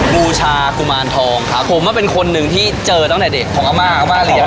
บูชากุมารทองครับผมว่าเป็นคนหนึ่งที่เจอตั้งแต่เด็กของอาม่าอาม่าเหลีย